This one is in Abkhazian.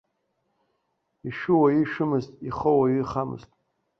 Ишәу уаҩы ишәымызт, ихоу уаҩы ихамызт.